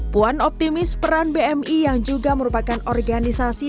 puan optimis peran bmi yang juga merupakan organisasi